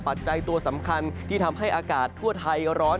ปัจจัยตัวสำคัญที่ทำให้อากาศทั่วไทยร้อน